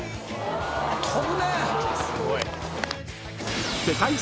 飛ぶね！